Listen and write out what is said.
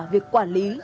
việc quản lý